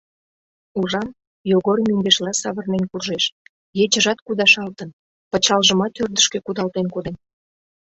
Ужам: Йогор мӧҥгешла савырнен куржеш, ечыжат кудашалтын, пычалжымат ӧрдыжкӧ кудалтен коден.